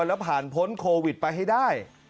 แล้วผ่านพ้นโควิดไปให้ได้